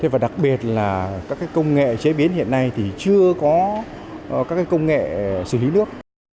và đặc biệt là các công nghệ chế biến hiện nay thì chưa có các công nghệ xử lý nước